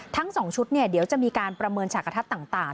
ทั้งสองชุดเนี่ยเดี๋ยวจะมีการประเมินฉากธัศต่าง